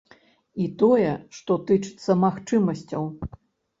І тое, што тычыцца магчымасцяў.